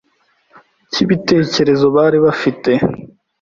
cy'ibitekerezo, bari bafite